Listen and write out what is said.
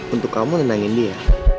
untuk kamu nenangin dia